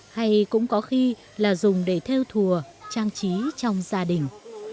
hay cũng có khi là dùng để theo thùa trang trí trong gia đình